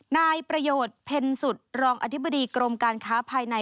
นายประโยชน์เพ็ญสุดรองอธิบดีกรมการค้าภายใน